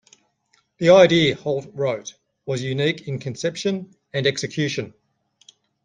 The idea, Holt wrote, was unique in conception and execution.